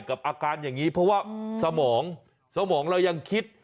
อาการอย่างนี้เพราะว่าสมองสมองเรายังคิด